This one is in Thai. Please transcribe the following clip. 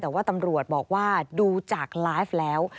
แต่ว่าตำรวจบอกว่าดูจากไลฟ์แล้ว